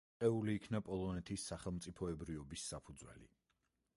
შერყეული იქნა პოლონეთის სახელმწიფოებრიობის საფუძველი.